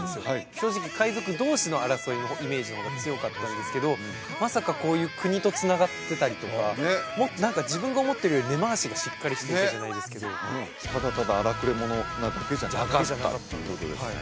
正直海賊同士の争いのイメージの方が強かったんですけどまさかこういう国とつながってたりとか何か自分が思ってるより根回しがしっかりしててじゃないですけどただただ荒くれ者なだけじゃなかったということですね